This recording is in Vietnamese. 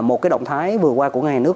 một cái động thái vừa qua của ngân hàng nước